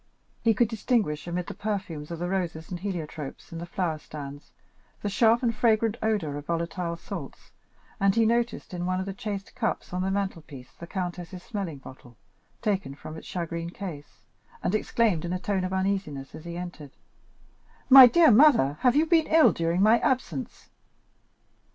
He could distinguish amid the perfumes of the roses and heliotropes in the flower stands, the sharp and fragrant odor of volatile salts, and he noticed in one of the chased cups on the mantle piece the countess's smelling bottle, taken from its shagreen case, and exclaimed in a tone of uneasiness, as he entered: "My dear mother, have you been ill during my absence?"